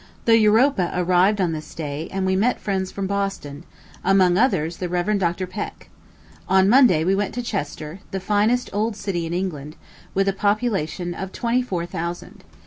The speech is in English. The Europa arrived on this day, and we met friends from Boston among others the Rev. Dr. Peck. On Monday we went to Chester, the finest old city in England, with a population of twenty four thousand.